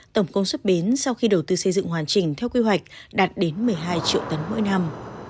tổng công suất bến sau khi đầu tư xây dựng hoàn chỉnh theo quy hoạch đạt đến một mươi hai triệu tấn mỗi năm